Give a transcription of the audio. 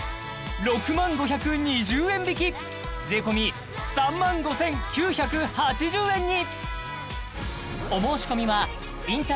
６０５２０円引き税込３５９８０円に！